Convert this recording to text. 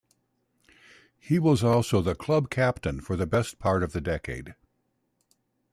He was also the club captain for the best part of a decade.